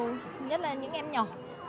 nhất là những em nhỏ